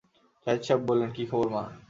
জাহিদ সাহেব বললেন, কি খবর মা?